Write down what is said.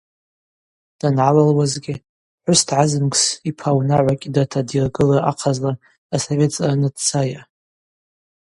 Дангӏалалуазгьи, пхӏвыс дгӏазымгс йпа унагӏва кӏьыдата дйыргылра ахъазла асовет зъараны дцайа.